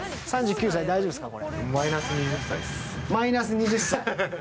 ３９歳、大丈夫ですか？